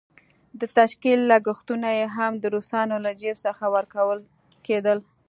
د تشکيل لګښتونه یې هم د روسانو له جېب څخه ورکول کېدل.